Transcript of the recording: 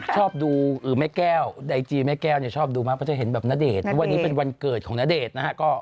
ชอบดูแม่แก้วไอจีแม่แก้วเนี่ยชอบดูมากเพราะว่าเธอเห็นแบบนเดชน์